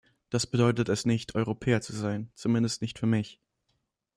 Das bedeutet es nicht, Europäer zu sein, zumindest nicht für mich!